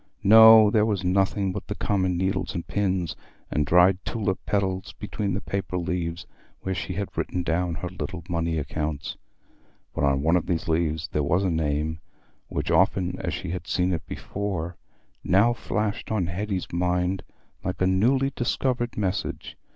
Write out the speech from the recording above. No, there was nothing but common needles and pins, and dried tulip petals between the paper leaves where she had written down her little money accounts. But on one of these leaves there was a name, which, often as she had seen it before, now flashed on Hetty's mind like a newly discovered message.